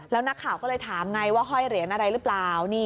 แล้วนักข่าวก็เลยถามไงว่าห้อยเหรียญอะไรหรือเปล่า